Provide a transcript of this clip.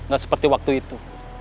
gak seperti waktu itu